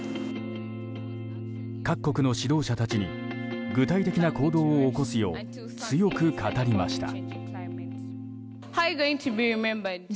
各国の指導者たちに具体的な行動を起こすよう強く語りました。